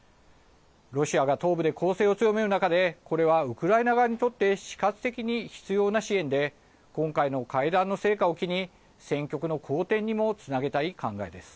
ロシアが東部で攻勢を強める中でこれはウクライナ側にとって死活的に必要な支援で今回の会談の成果を機に戦局の好転にもつなげたい考えです。